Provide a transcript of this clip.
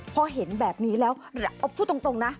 พอเห็นแบบนี้แล้วเอาพูดตรงนะ